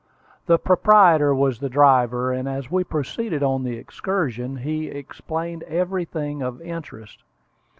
The proprietor was the driver, and as we proceeded on the excursion, he explained everything of interest.